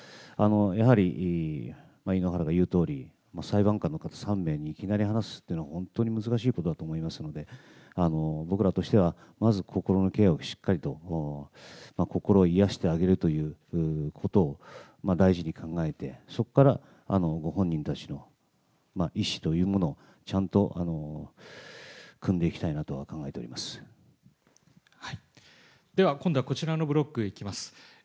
やはり井ノ原が言うとおり、裁判官の方３名にいきなり話すというのは、本当に難しいことだと思いますので、僕らとしては、まず心のケアをしっかりと、心を癒やしてあげるということを第一に考えて、そこからご本人たちの意思というものをちゃんとくんでいきたいなでは、今度はこちらのブロックにいきます。